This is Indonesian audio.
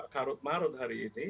karut marut hari ini